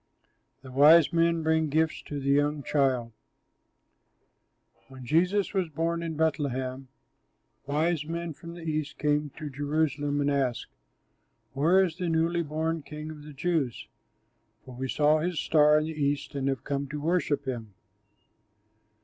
THE WISE MEN BRING GIFTS TO THE YOUNG CHILD When Jesus was born in Bethlehem, wise men from the east came to Jerusalem and asked, "Where is the newly born King of the Jews? For we saw his star in the east and have come to worship him."